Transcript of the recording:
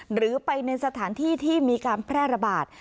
หรือไปในสถานที่ที่มีการแพร่ระบาด